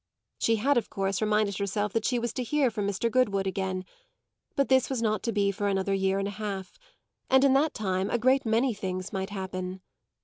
She had of course reminded herself that she was to hear from Mr. Goodwood again; but this was not to be for another year and a half, and in that time a great many things might happen.